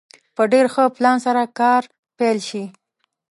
په ډېر ښه پلان سره کار پيل شي.